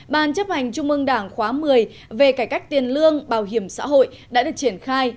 ban chấp hành trung ương đảng khóa một mươi về cải cách tiền lương bảo hiểm xã hội đã được triển khai